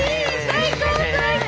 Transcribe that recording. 最高最高！